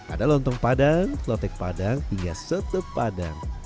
ada lontong padang lotek padang hingga sete padang